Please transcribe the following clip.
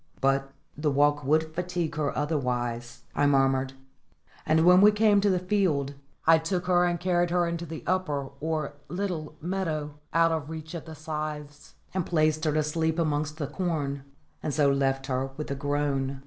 "But the walk would fatigue her otherwise," I murmured; and, when we were come to the field, I took and carried her into the upper or little meadow, out of reach of the scythes, and placed her to sleep amongst the corn, and so left her with a groan.